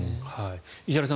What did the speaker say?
石原さん